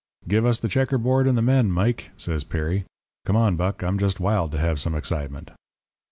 "'Give us the checker board and the men, Mike,' says Perry. 'Come on, Buck, I'm just wild to have some excitement.'